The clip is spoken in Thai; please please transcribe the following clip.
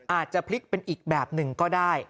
อาจจะพลิกเป็นอีกแบบหนึ่งก็ได้